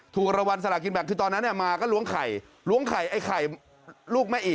ถูกรางวัลสลากินแบ่งคือตอนนั้นมาก็ล้วงไข่ล้วงไข่ไอ้ไข่ลูกแม่อี